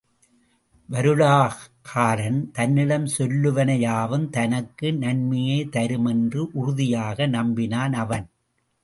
வருடகாரன் தன்னிடம் சொல்லுவன யாவும் தனக்கு நன்மையே தரும் என்று உறுதியாக நம்பினான் அவன்.